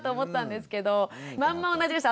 まんま同じでした。